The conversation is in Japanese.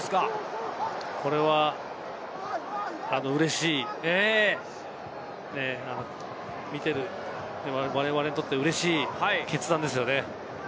これは嬉しい、見ているわれわれにとってうれしい決断ですよね。